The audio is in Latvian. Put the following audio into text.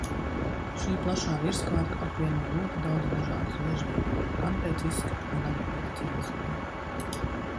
Šī plašā virskārta apvieno ļoti dažādus vēžveidīgos gan pēc izskata, gan arī pēc dzīvesveida.